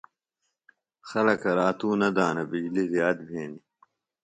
خلکہ راتُوۡ نہ دانہ۔ بجلیۡ زِیات بھینیۡ۔